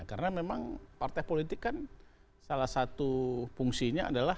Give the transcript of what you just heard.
karena memang partai politik kan salah satu fungsinya adalah